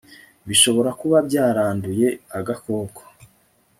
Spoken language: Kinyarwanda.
bishobora kuba byaranduye agakoko